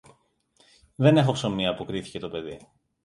Δεν έχω ψωμί, αποκρίθηκε το παιδί.